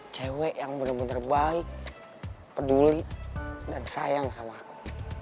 cewek yang bener bener baik peduli dan sayang sama aku